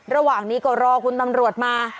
ระหว่างนี้ก็รอคุณตำรวจมา